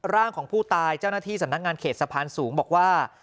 ร่างของผู้ตายเจ้าหน้าที่สำนักงานเขตสะพานสูงบอกว่า